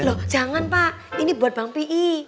loh jangan pak ini buat bang p i